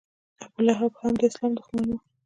ابولهب هم د اسلام دښمن و.